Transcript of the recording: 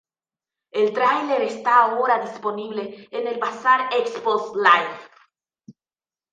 El tráiler está ahora disponible en el Bazar Xbox Live.